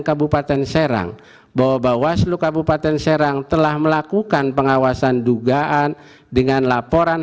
kabupaten serang bahwa bawaslu kabupaten serang telah melakukan pengawasan dugaan dengan laporan